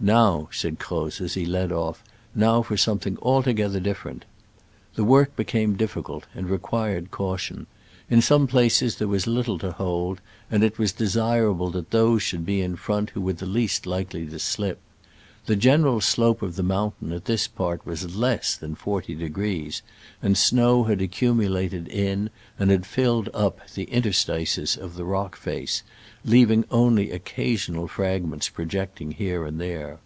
"Now," said Croz as he led off — "now for some thing altogether different.'* The work became difficult, and required caution. In some places there was little to hold, and it was desirable that those should be in front who were least likely to slip. The general slope of the mountain at this part was less than forty degrees, and snow had accumulated in, and had filled up, the interstices of the rock face, leav ing only occasional fragments projecting here and there.